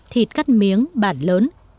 thịt cắt miếng bản lớn